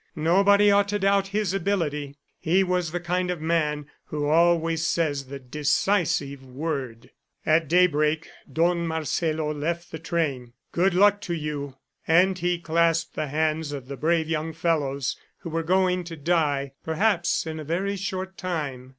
Nobody ought to doubt his ability; he was the kind of man who always says the decisive word. At daybreak Don Marcelo left the train. "Good luck to you!" And he clasped the hands of the brave young fellows who were going to die, perhaps in a very short time.